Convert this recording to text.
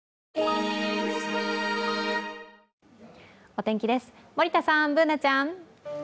お天気です、森田さん、Ｂｏｏｎａちゃん。